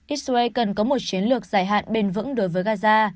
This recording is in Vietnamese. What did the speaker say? israel cần có một chiến lược dài hạn bền vững đối với gaza